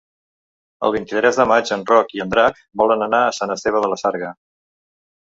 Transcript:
El vint-i-tres de maig en Roc i en Drac volen anar a Sant Esteve de la Sarga.